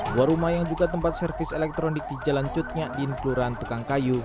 buah rumah yang juga tempat servis elektronik di jalan cutnya di inkeluran dekangkayu